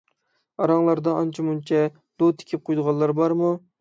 ئاراڭلاردا ئانچە-مۇنچە دو تىكىپ قويىدىغانلار بارمۇ؟